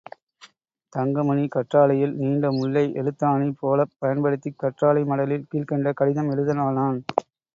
தங்கமணி கற்றாழையில் நீண்ட முள்ளை எழுத்தாணி போலப் பயன்படுத்திக் கற்றாழை மடலில் கீழ்க்கண்ட கடிதம் எழுதலானான்.